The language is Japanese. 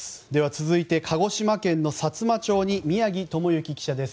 続いて鹿児島県のさつま町に宮城智之記者です。